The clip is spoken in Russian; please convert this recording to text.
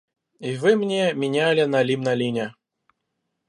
И вы мне меняли налим на линя.